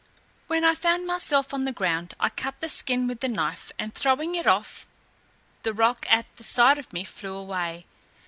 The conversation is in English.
When I found myself on the ground, I cut the skin with the knife, and throwing it off, the roc at the sight of me flew sway.